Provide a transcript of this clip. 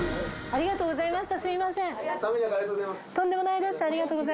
ありがとうございます。